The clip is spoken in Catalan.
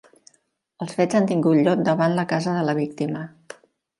Els fets han tingut lloc davant la casa de la víctima.